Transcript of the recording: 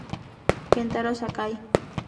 Kentaro Sakai